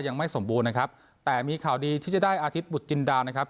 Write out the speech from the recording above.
ยังไม่สมบูรณ์นะครับแต่มีข่าวดีที่จะได้อาทิตยบุตรจินดานะครับ